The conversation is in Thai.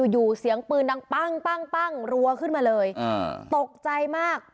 อยู่เสียงปืนดังปั้งรัวขึ้นมาเลยตกใจมาก